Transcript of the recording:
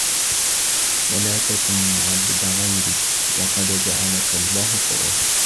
وَلَا تَكُنْ عَبْدَ غَيْرِك وَقَدْ جَعَلَك اللَّهُ حُرًّا